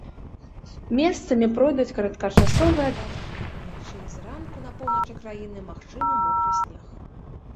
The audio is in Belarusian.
Месцамі пройдуць кароткачасовыя дажджы, уначы і зранку па поўначы краіны магчымы мокры снег.